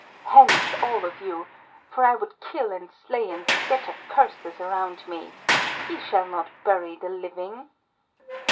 Hence, all of you! for I would kill and slay and scatter curses around me! Ye shall not bury the living!"